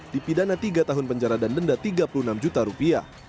di pidana tiga tahun penjara dan denda rp tiga puluh enam juta